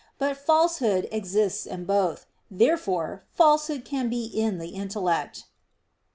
But falsehood exists in both. Therefore falsehood can be in the intellect.